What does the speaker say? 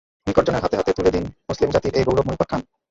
নিকটজনদের হাতে হাতে তুলে দিন মুসলিম জাতির এ গৌরবময় উপাখ্যান।